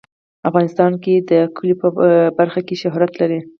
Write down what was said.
افغانستان د کلیو په برخه کې شهرت لري.